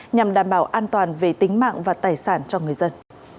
nhằm đảm bảo an toàn về tính mạng và tài sản cho người dân